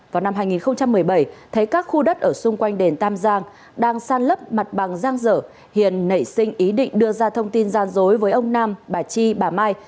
vào năm hai nghìn một mươi bảy thấy các khu đất ở xung quanh đền tam giang đang san lấp mặt bằng giang dở hiền nảy sinh ý định đưa ra thông tin gian dối với ông nam bà chi bà mai